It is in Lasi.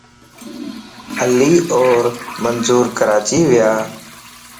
علي اور منصور ڪراچي ويان